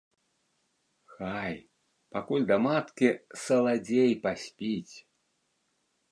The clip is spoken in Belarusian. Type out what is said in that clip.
Хай, пакуль да маткі, саладзей паспіць!